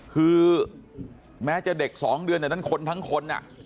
คือแม้จะเด็ก๒เดือนแต่นั้นคนทั้งคน